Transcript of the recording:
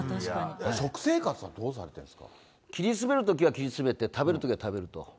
食生活、どうされてるんです切り詰めるときは切り詰めて、食べるときは食べると。